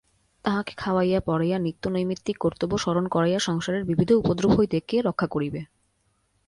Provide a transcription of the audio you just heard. তাঁহাকে খাওয়াইয়া পরাইয়া নিত্যনৈমিত্তিক কর্তব্য স্মরণ করাইয়া সংসারের বিবিধ উপদ্রব হইতে কে রক্ষা করিবে।